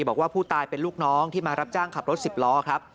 บอกว่าผู้ตายเป็นลูกน้องที่มารับจ้างขับรถ๑๐ล้อครับ